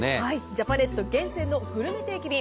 ジャパネット厳選のグルメ定期便。